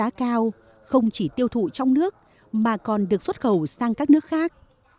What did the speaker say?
giá cao không chỉ tiêu thụ trong nước mà còn được xuất khẩu sang các nước khác